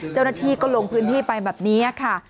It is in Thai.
เจ้าหน้าที่ก็ลงพื้นที่ไปแบบนี้ค่ะ